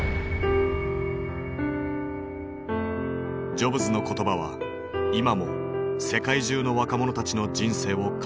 ジョブズの言葉は今も世界中の若者たちの人生を変えている。